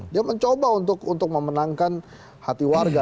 dia mencoba untuk memenangkan hati warga